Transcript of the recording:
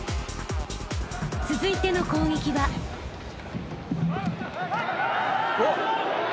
［続いての攻撃は］おっ！